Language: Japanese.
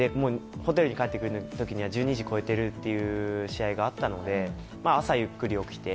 ホテルに帰ってくる時には１２時を超えている試合があったので朝、ゆっくり起きて。